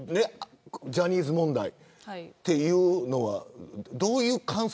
ジャニーズ問題というのは、どういう感想。